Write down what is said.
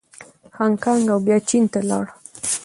هانګکانګ او بیا چین ته لاړ.